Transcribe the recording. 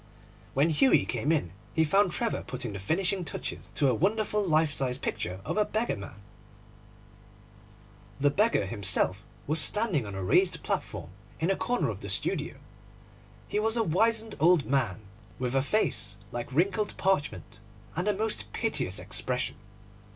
When Hughie came in he found Trevor putting the finishing touches to a wonderful life size picture of a beggar man. The beggar himself was standing on a raised platform in a corner of the studio. He was a wizened old man, with a face like wrinkled parchment, and a most piteous expression.